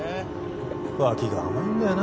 脇が甘いんだよな